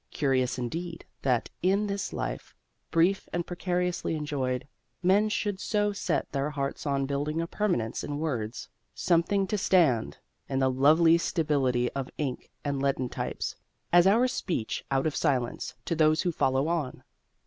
Curious indeed that in this life, brief and precariously enjoyed, men should so set their hearts on building a permanence in words: something to stand, in the lovely stability of ink and leaden types, as our speech out of silence to those who follow on.